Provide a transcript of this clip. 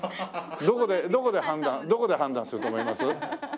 どこで判断どこで判断すると思います？